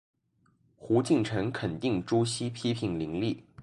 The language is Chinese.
胡晋臣肯定朱熹批评林栗。